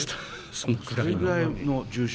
そのぐらいの重傷？